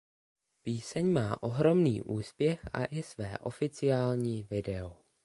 Píseň má ohromný úspěch a i své oficiální video.